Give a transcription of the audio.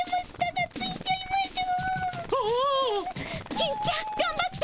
金ちゃんがんばって！